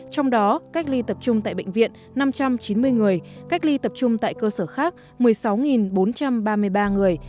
trong đó cách ly tập trung tại bệnh viện năm trăm chín mươi người cách ly tập trung tại cơ sở khác một mươi sáu bốn trăm ba mươi ba người